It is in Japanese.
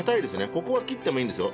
ここは切ってもいいんですよ。